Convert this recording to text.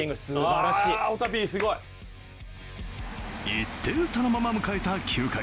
１点差のまま迎えた９回。